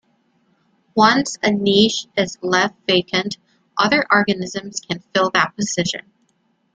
Once a niche is left vacant, other organisms can fill that position.